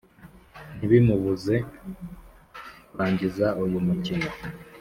ntibimubuze kurangiza uyu mukino.